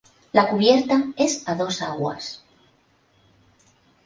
La cubierta es a dos aguas.